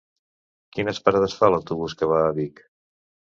Quines parades fa l'autobús que va a Vic?